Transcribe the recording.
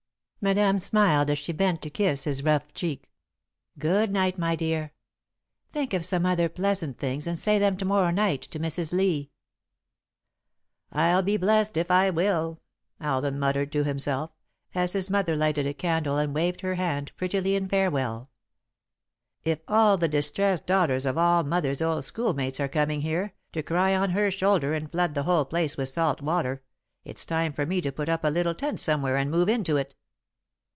Madame smiled as she bent to kiss his rough cheek. "Good night, my dear. Think of some other pleasant things and say them to morrow night to Mrs. Lee." "I'll be blest if I will," Alden muttered to himself, as his mother lighted a candle and waved her hand prettily in farewell. "If all the distressed daughters of all mother's old schoolmates are coming here, to cry on her shoulder and flood the whole place with salt water, it's time for me to put up a little tent somewhere and move into it."